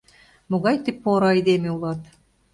Могай тый поро айдеме улат...